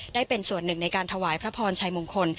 ได้เป็นส่วนหนึ่งในการถวายพระพรชัยมงคล